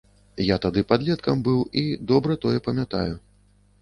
Я тады падлеткам быў і добра тое памятаю.